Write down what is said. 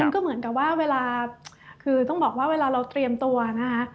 ก็เหมือนกับว่าเวลาคือต้องบอกว่าเวลาเราเตรียมตัวนะคะ